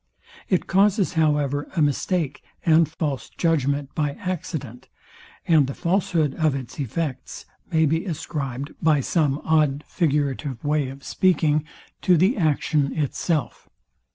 It causes, however, a mistake and false judgment by accident; and the falshood of its effects may be ascribed, by some odd figurative way of speaking, to the action itself.